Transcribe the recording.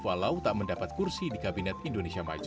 walau tak mendapat kursi di kabinet indonesia maju